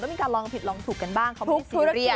มีการลองผิดลองถูกกันบ้างเขาไม่ได้ซีเรียส